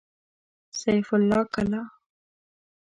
سيف الله کلا